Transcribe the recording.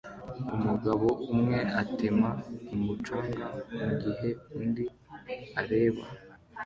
Umugabo umwe atema umucanga mugihe undi areba